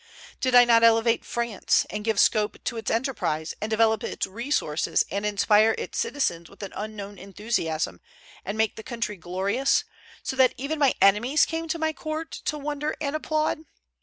Did I not elevate France, and give scope to its enterprise, and develop its resources, and inspire its citizens with an unknown enthusiasm, and make the country glorious, so that even my enemies came to my court to wonder and applaud?